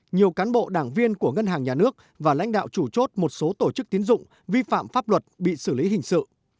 nhiều cán bộ đảng viên của ngân hàng nhà nước và lãnh đạo chủ chốt một số tổ chức tiến dụng vi phạm pháp luật bị xử lý hình sự